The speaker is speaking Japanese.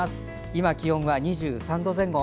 今、気温は２３度前後。